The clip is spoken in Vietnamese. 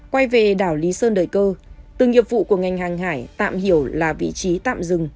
quay về đảo lý sơn đời cơ từng nghiệp vụ của ngành hàng hải tạm hiểu là vị trí tạm dừng